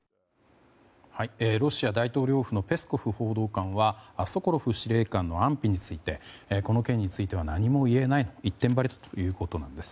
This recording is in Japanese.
ロシア大統領府のペスコフ報道官はソコロフ司令官の安否についてこの件については何も言えないの一点張りだということです。